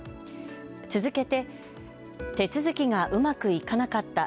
続けて手続きがうまくいかなかった。